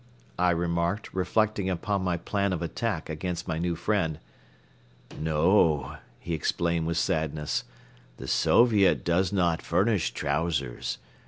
I remarked, reflecting upon my plan of attack against my new friend. "No," he explained with sadness, "the Soviet does not furnish trousers.